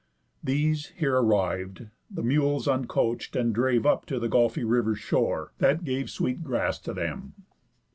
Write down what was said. These, here arriv'd, the mules uncoach'd, and drave Up to the gulfy river's shore, that gave Sweet grass to them.